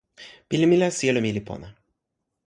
pilin mi la, sijelo mi li pona.